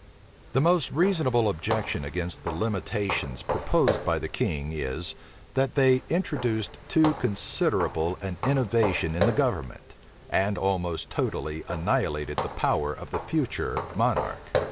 The most reasonable objection against the limitations proposed by the king, is, that they introduced too considerable an innovation in the government, and almost totally annihilated the power of the future monarch.